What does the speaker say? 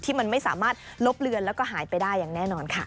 มันไม่สามารถลบเลือนแล้วก็หายไปได้อย่างแน่นอนค่ะ